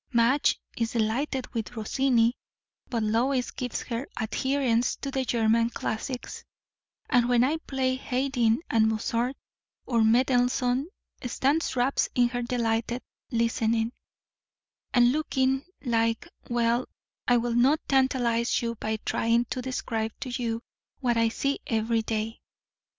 Madge is delighted with Rossini; but Lois gives her adherence to the German classics, and when I play Haydn or Mozart or Mendelssohn, stands rapt in her delighted listening, and looking like well, I will not tantalize you by trying to describe to you what I see every day.